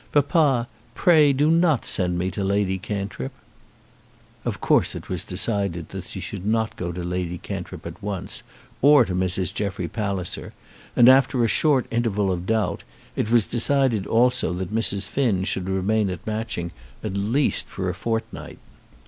Papa, pray do not send me to Lady Cantrip." Of course it was decided that she should not go to Lady Cantrip at once, or to Mrs. Jeffrey Palliser, and, after a short interval of doubt, it was decided also that Mrs. Finn should remain at Matching for at least a fortnight.